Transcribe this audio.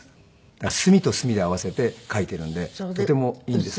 だから墨と墨で合わせて書いているんでとてもいいんですね。